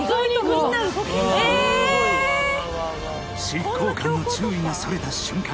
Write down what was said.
執行官の注意がそれた瞬間